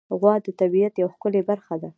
غوا د طبیعت یوه ښکلی برخه ده.